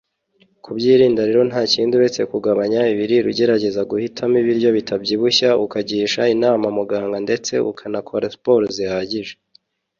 Kubyirinda rero ntakindi uretse kugabanya ibiriro ugeregeza guhitamo ibiryo bitakubyibushya ukagisha inama muganga ndetse ukanakora siporo ihagije